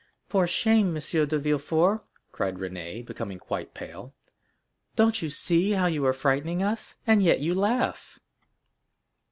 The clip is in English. "For shame, M. de Villefort!" said Renée, becoming quite pale; "don't you see how you are frightening us?—and yet you laugh."